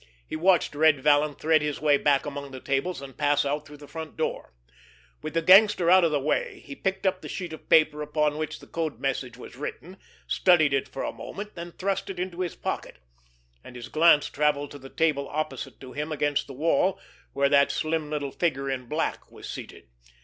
He watched Red Vallon thread his way back among the tables, and pass out through the front door. With the gangster out of the way, he picked up the sheet of paper upon which the code message was written, studied it for a moment, then thrust it into his pocket—and his glance travelled to the table opposite to him and against the wall, where that slim little figure in black was seated.